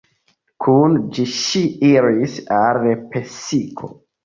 Kun ĝi ŝi iris al Lepsiko.